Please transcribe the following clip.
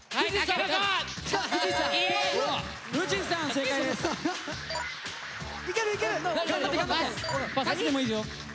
パスでもいいよ。